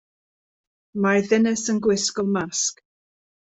Mae'r ddynes yn gwisgo masg.